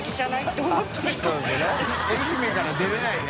愛媛から出れないな。